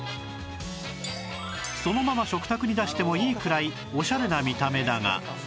そのまま食卓に出してもいいくらいオシャレな見た目だが